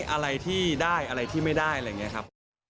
อะไรที่ได้อะไรที่ไม่ได้อะไรอย่างนี้ครับ